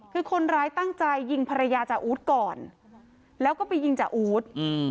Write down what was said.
คือคนร้ายตั้งใจยิงภรรยาจ่าอู๊ดก่อนแล้วก็ไปยิงจาอู๊ด